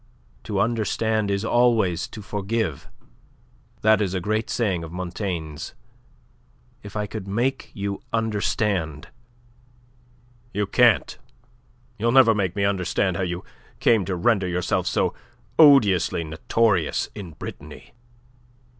To understand is always to forgive. That is a great saying of Montaigne's. If I could make you understand..." "You can't. You'll never make me understand how you came to render yourself so odiously notorious in Brittany."